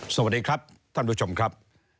สวัสดีครับท่านผู้ชมครับ